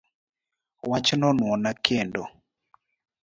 Wachno nuona kendo